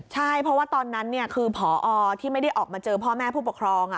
ใช่เพราะว่าตอนนั้นคือพอที่ไม่ได้ออกมาเจอพ่อแม่ผู้ปกครอง